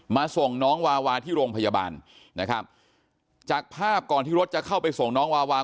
ส่งน้องวาวาที่โรงพยาบาลนะครับจากภาพก่อนที่รถจะเข้าไปส่งน้องวาวา